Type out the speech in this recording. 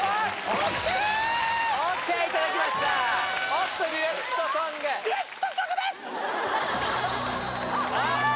ＯＫＯＫいただきましたおっとデュエットソングデュエット曲ですああ！